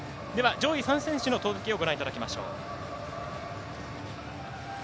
上位３選手の投球をご覧いただきましょう。